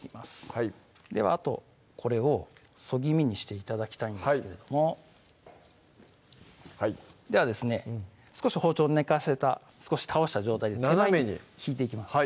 はいではあとこれをそぎ身にして頂きたいんですけれどもではですね少し包丁寝かせた少し倒した状態で手前に引いていきます